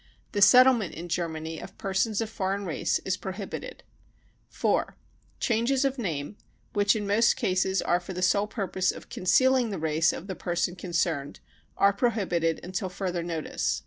The settlement in Germany of persons of foreign race is prohibited. u 4. Changes of name, which in most cases are for the sole purpose of concealing the race of the person con cerned, are prohibited until further notice.